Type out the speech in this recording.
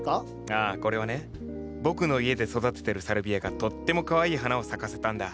ああこれはね僕の家で育ててるサルビアがとってもかわいい花を咲かせたんだ。